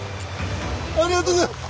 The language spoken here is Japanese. ありがとうございます。